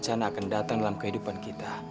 rencana akan datang dalam kehidupan kita